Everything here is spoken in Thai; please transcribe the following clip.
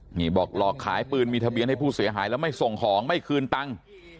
นี่บอกหลอกขายปืนมีทะเบียนให้ผู้เสียหายแล้วไม่ส่งของไม่คืนตังค์